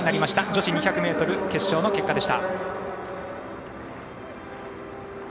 女子２００ｍ決勝の結果でした。